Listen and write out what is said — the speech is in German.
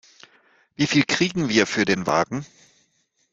Wie viel kriegen wir für den Wagen?